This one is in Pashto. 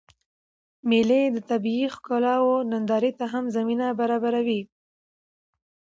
مېلې د طبیعي ښکلاوو نندارې ته هم زمینه برابروي.